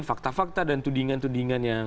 fakta fakta dan tudingan tudingan yang